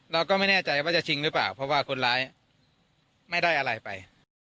เราก็ไม่แน่ใจว่าจะชิงหรือเปล่าเพราะว่าคนร้ายไม่ได้อะไรไป